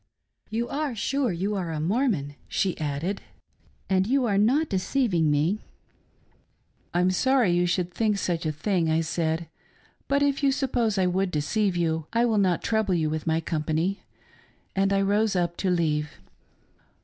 You are sure you are a Mormon .'" she added, " and you are not deceiving me ?"" I'm sorry you should think such a thing," I said, " but if you suppose I would deceive you, I will not trouble you with my company." And I rose up to leave.